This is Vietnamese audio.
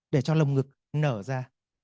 để cho lồng ngực nở ra